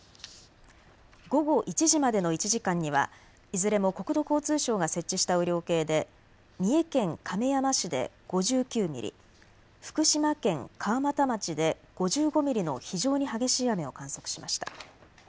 午後１時までの１時間にはいずれも国土交通省が設置した雨量計で三重県亀山市で５９ミリ、福島県川俣町で５５ミリの非常に激しい雨を観測しました。